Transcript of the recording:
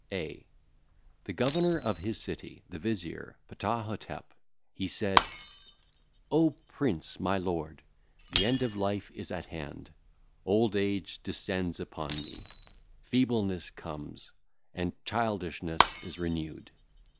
A. The Governor of his City, the Vizier, Ptah hotep, he said: 'O Prince, my Lord, the end of life is at hand; old age descendeth [upon me]; feebleness cometh, and childishness is renewed.